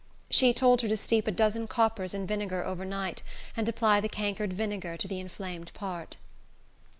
She told her to steep a dozen coppers in vinegar, over night, and apply the cankered vinegar to the inflamed part.